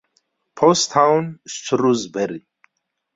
Post town, Shrewsbury.